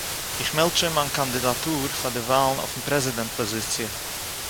איך מעלדט שוין מיין קאנדידאטור פאר די וואלן אויפן פרעזידענט פאזיציע